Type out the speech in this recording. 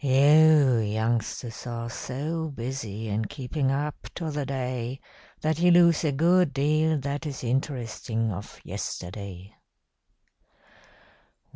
You youngsters are so busy in keeping up to the day that you lose a good deal that is interesting of yesterday.